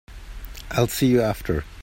I'll see you after.